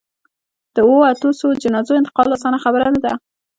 د اوو، اتو سووو جنازو انتقال اسانه خبره نه ده.